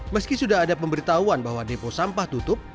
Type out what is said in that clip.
meski sudah ada pemberitahuan bahwa depo sampah tutup